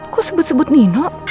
kok sebut sebut nino